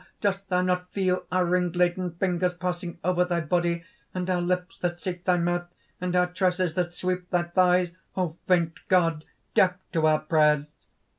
dost thou not feel our ring laden fingers passing over thy body? and our lips that seek thy mouth? and our tresses that sweep thy thighs? O faint God, deaf to our prayers!"